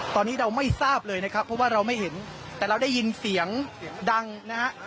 ตอนนี้เราไม่ทราบเลยนะครับเพราะว่าเราไม่เห็นแต่เราได้ยินเสียงดังนะฮะ